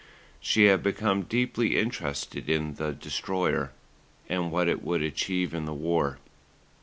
She had become deeply interested in the Destroyer and what it would achieve in the war.